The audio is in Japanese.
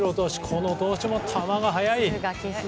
この投手も球が速い。